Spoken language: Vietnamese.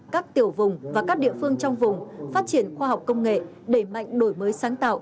các tiểu vùng và các địa phương trong vùng phát triển khoa học công nghệ đẩy mạnh đổi mới sáng tạo